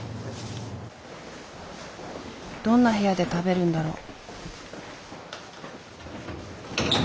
どんな部屋で食べるんだろう。